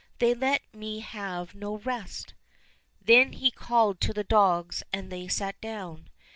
They let me have no rest." Then he called to the dogs, and they sat down.